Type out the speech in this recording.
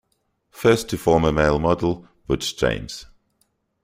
First to former male model Butch James.